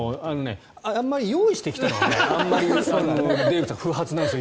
あんまり用意してきたのをデーブさん、不発なんです。